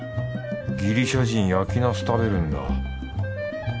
ギリシャ人焼きナス食べるんだ。